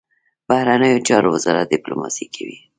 بهرنیو چارو وزارت ډیپلوماسي کوي